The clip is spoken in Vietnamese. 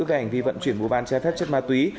về hành vi vận chuyển bù ban che phép chất ma túy